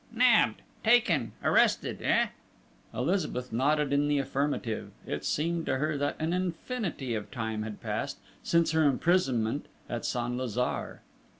"Nabbed!... Taken!... Arrested!... Eh?" Elizabeth nodded in the affirmative. It seemed to her that an infinity of time had passed since her imprisonment at Saint Lazare.